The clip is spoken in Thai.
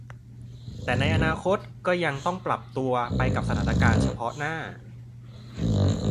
แต่ในอนาคตก็ยังต้องปรับตัวไปกับสถานการณ์เฉพาะหน้า